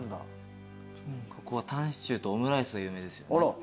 ここはタンシチューとオムライスが有名ですよね。